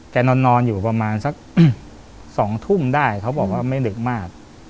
นอนอยู่ประมาณสัก๒ทุ่มได้เขาบอกว่าไม่ดึกมาก